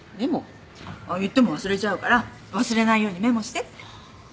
言っても忘れちゃうから忘れないようにメモしてって。